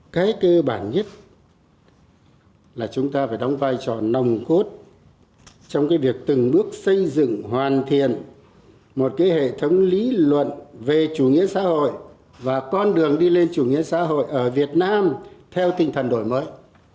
cái cơ bản nhất là chúng ta phải đóng vai trò nồng cốt trong việc từng bước xây dựng hoàn thiện một cái hệ thống lý luận về chủ nghĩa xã hội và con đường đi lên chủ nghĩa xã hội ở việt nam theo tinh thần đổi mới